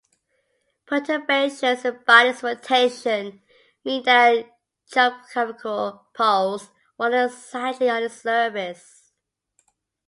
Perturbations in a body's rotation mean that geographical poles wander slightly on its surface.